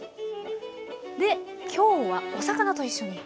で今日はお魚と一緒に。